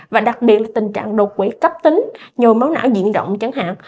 và đặc biệt là tình trạng đột quỵ cấp tính nhồi máu não diện động chẳng hạn